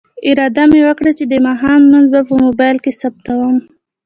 اراده مې وکړه چې د ماښام لمونځ به په موبایل کې ثبتوم.